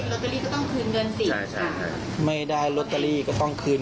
ลอตเตอรี่ก็ต้องคืนเงินสิใช่ไม่ได้ลอตเตอรี่ก็ต้องคืน